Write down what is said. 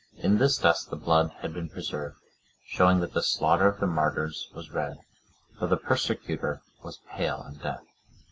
In this dust the blood had been preserved, showing that the slaughter of the martyrs was red, though the persecutor was pale in death.